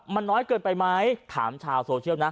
มันน้อยเกินไปไหมถามชาวโซเชียลนะ